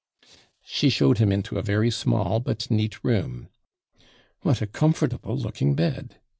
She showed him into a very small but neat room. 'What a comfortable looking bed!'